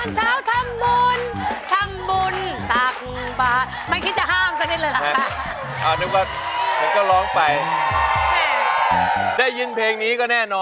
สนุกสนานด้วยกัน